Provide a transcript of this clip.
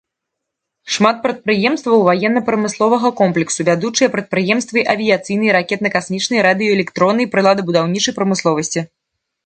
Шмат прадпрыемстваў ваенна-прамысловага комплексу, вядучыя прадпрыемствы авіяцыйнай, ракетна-касмічнай, радыёэлектроннай, прыладабудаўнічай прамысловасці.